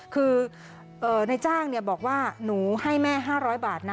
คือนายจ้างบอกว่าหนูให้แม่๕๐๐บาทนะ